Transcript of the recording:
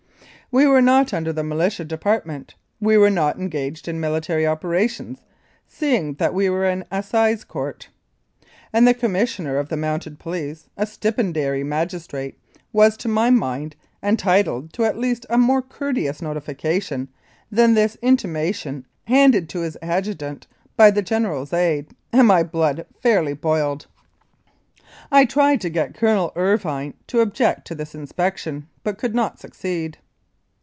We were not under the Militia Department (we were not engaged in military operations, seeing that we were in an Assize Court), and the Commissioner of the Mounted Police, a stipendiary magistrate, was, to my mind, entitled to at least a more courteous notification than this intimation handed to his adjutant by the General's aide, and my blood fairly boiled. I tried 28 Rebellion Year, 1885. Regina to get Colonel Irvine to object to this inspection, but could not succeed.